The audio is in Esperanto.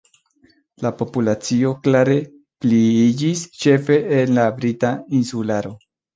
La populacio klare pliiĝis ĉefe en la Brita Insularo.